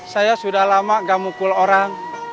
saya sudah lama gak mukul orang